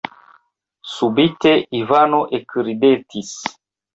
Subite Ivano ekridetis.